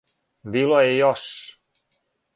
Било је још.